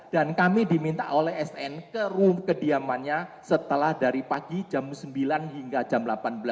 dan kami diminta oleh sn ke ruang kediamannya setelah dari pagi jam sembilan hingga jam delapan belas tiga puluh